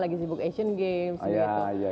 lagi sibuk asian games gitu